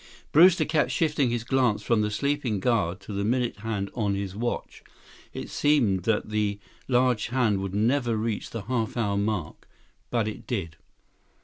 Brewster kept shifting his glance from the sleeping guard to the minute hand on his watch. It seemed that the large hand would never reach the half hour mark. But it did.